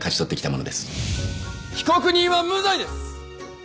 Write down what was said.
被告人は無罪です！